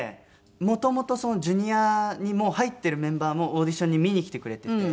もともとＪｒ．にもう入ってるメンバーもオーディションに見に来てくれてて。